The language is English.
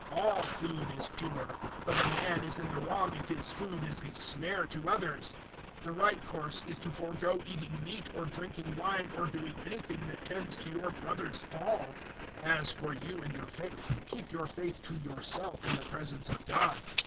All food is pure; but a man is in the wrong if his food is a snare to others. 014:021 The right course is to forego eating meat or drinking wine or doing anything that tends to your brother's fall. 014:022 As for you and your faith, keep your faith to yourself in the presence of God.